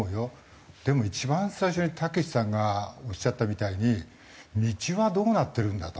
でも一番最初にたけしさんがおっしゃったみたいに道はどうなってるんだと。